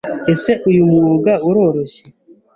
Ese uyu mwuga uroroshye